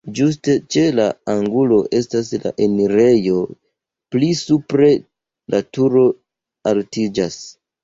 Ĝuste ĉe la angulo estas la enirejo, pli supre la turo altiĝas.